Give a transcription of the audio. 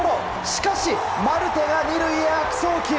しかしマルテが２塁へ悪送球。